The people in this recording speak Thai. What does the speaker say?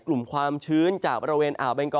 ความชื้นจากบริเวณอ่าวเบงกอ